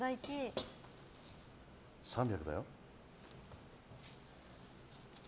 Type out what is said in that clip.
３００だよ。